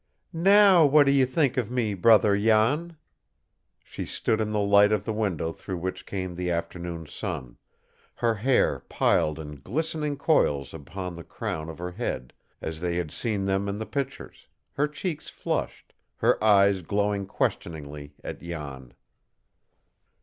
"Now what do you think of me, brother Jan?" She stood in the light of the window through which came the afternoon sun, her hair piled in glistening coils upon the crown of her head, as they had seen them in the pictures, her cheeks flushed, her eyes glowing questioningly at Jan.